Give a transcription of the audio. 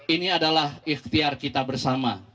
ini adalah ikhtiar kita bersama